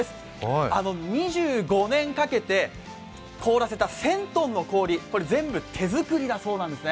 ２５年かけて凍らせた１０００ｔの氷、これ全部手作りだそうです。